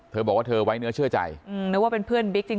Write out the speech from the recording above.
เธอบอกว่าเธอไว้เนื้อเชื่อใจนึกว่าเป็นเพื่อนบิ๊กจริง